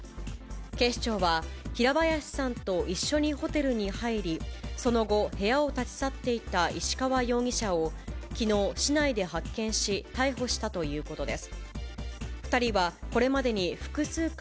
警視庁は、平林さんと一緒にホテルに入り、その後、部屋を立ち去っていた石川容疑者を、きのう、市内で発見し、逮捕したということです。